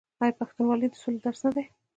آیا پښتونولي د سولې درس نه دی؟